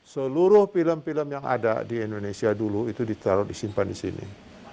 seluruh film film yang ada di indonesia dulu itu ditaruh disimpan di sini